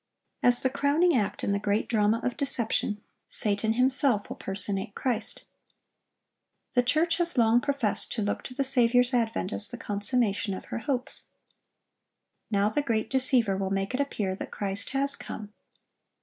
As the crowning act in the great drama of deception, Satan himself will personate Christ. The church has long professed to look to the Saviour's advent as the consummation of her hopes. Now the great deceiver will make it appear that Christ has come.